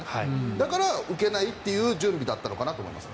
だから、受けないっていう準備だったのかなと思います。